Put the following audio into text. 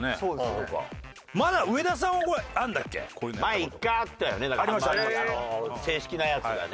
前１回あったよねだからハンマー正式なやつがね。